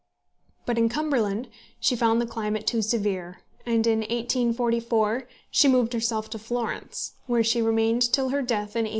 But in Cumberland she found the climate too severe, and in 1844 she moved herself to Florence, where she remained till her death in 1863.